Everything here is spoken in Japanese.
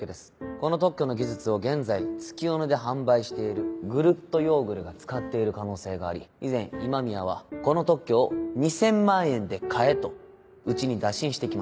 この特許の技術を現在月夜野で販売している「グルっとヨグル」が使っている可能性があり以前今宮はこの特許を２０００万円で買えとうちに打診してきました。